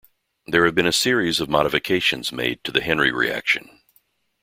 There have been a series of modifications made to the Henry Reaction.